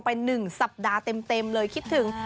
ไปหนึ่งสัปดาห์เต็มเลยคิดถึง